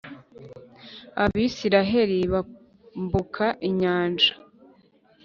abisiraheli bambuka inyanja